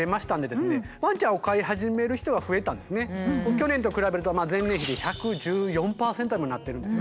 去年と比べると前年比で１１４％にもなってるんですよね。